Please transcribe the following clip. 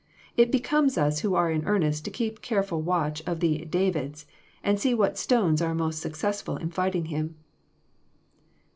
It becomes us who are in earnest to keep careful watch of the 'Davids,' and see what stones are most success ful in fighting him."